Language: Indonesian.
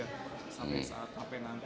sampai saat sampai nanti misalnya